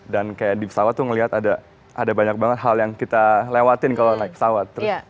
dan di pesawat itu melihat ada banyak hal yang kita lewati kalau naik pesawat